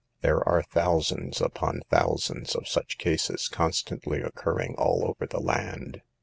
There are thousands upon thousands of such cases constantly occurring all over the land.